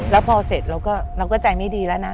แล้วพอเสร็จเราก็ใจไม่ดีแล้วนะ